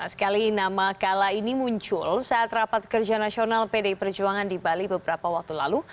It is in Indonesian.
sekali nama kala ini muncul saat rapat kerja nasional pdi perjuangan di bali beberapa waktu lalu